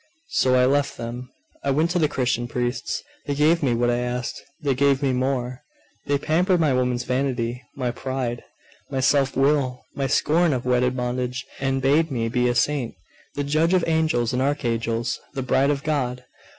So I left them. I went to the Christian priests.... They gave me what I asked.... They gave me more.... They pampered my woman's vanity, my pride, my self will, my scorn of wedded bondage, and bade me be a saint, the judge of angels and archangels, the bride of God!